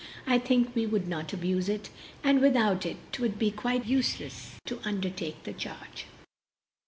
I think we would not abuse it, but without it 'twould be quite useless to undertake the charge."